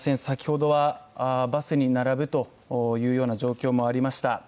先ほどはバスに並べというような状況もありました。